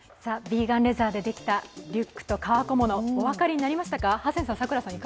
ヴィーガンレザーでできたリュックと革小物お分かりになりましたか？